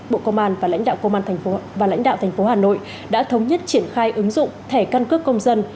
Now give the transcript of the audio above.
bộ công an và lãnh đạo thành phố hà nội đã thống nhất triển khai ứng dụng thẻ căn cước công dân